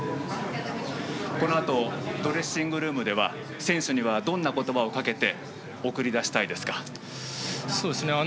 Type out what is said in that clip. このあとドレッシングルームで選手には、どんな言葉をかけて送り出したいですか？